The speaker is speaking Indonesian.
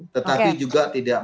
tetapi kita harus berbicara